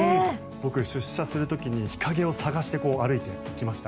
僕、出社する時に日陰を探して歩いてきました。